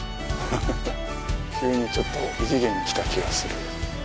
急にちょっと、異次元に来た気がする。